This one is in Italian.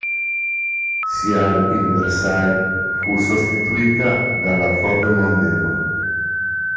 Sia il Versailles fu sostituita dalla Ford Mondeo.